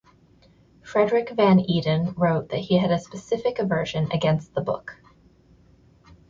Frederik van Eeden wrote that he had a specific aversion against the book.